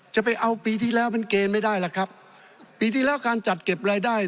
จะไปเอาปีที่แล้วมันเกณฑ์ไม่ได้ล่ะครับปีที่แล้วการจัดเก็บรายได้